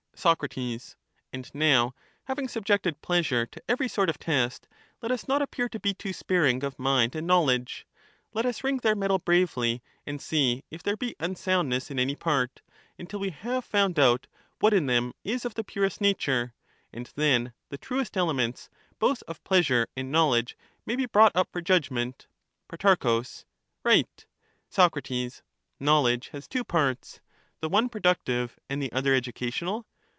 Soc, And now, having subjected pleasure to every sort of test, let us not appear to be too sparing of mind and know ledge : let us ring their metal bravely, and see if there be unsoundness in any part, until we have found out what in them is of the purest nature ; and then the truest elements both of pleasure and knowledge may be brought up for judgment. Pro. Right. Soc. Knowledge has two parts, — the one productive, and the other educational